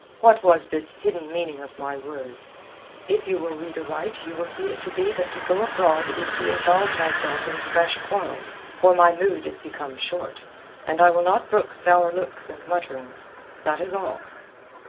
What was this hidden meaning of my words? If you will read aright you will see it to be that to go abroad is to involve myself in fresh quarrels, for my mood is become short, and I will not brook sour looks and mutterings. That is all."